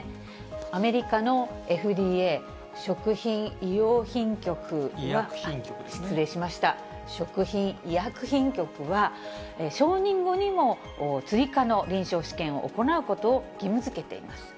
アメリカのＦＤＡ・食品医薬品局は、承認後にも、追加の臨床試験を行うことを義務づけています。